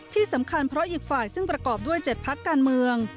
ที่สำคัญเพราะอีกฝ่ายซึ่งประกอบด้วย๗พักการเมือง